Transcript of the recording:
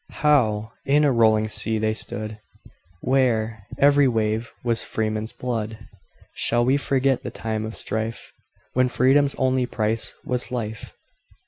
How in a rolling sea they stood, Where every wave was freemen's blood,—Shall we forget the time of strife, When freedom's only price was life?